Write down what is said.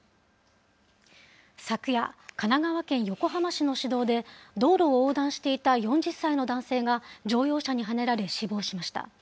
昨夜、神奈川県横浜市の市道で、道路を横断していた４０歳の男性が乗用車にはねられ死亡しました。